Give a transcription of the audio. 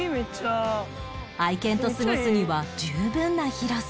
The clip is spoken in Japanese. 愛犬と過ごすには十分な広さ